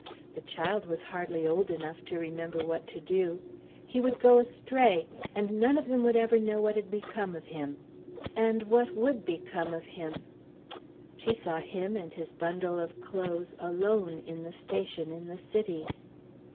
The child was hardly old enough to remember what to do. He would go astray, and none of them would ever know what had become of him ... and what would become of him? She saw him and his bundle of clothes alone in the station in the City....